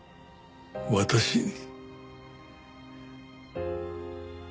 私に。